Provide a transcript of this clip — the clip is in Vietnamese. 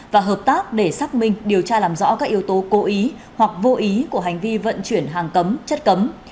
và hợp tác để xác minh điều tra làm rõ các yếu tố cố ý hoặc vô ý của hành vi vận chuyển hàng cấm chất cấm